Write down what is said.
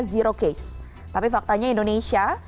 zero case tapi faktanya indonesia